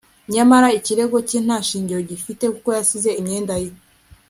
nyamara ikirego cye nta shingiro gifite 'kuko yasize imyenda ye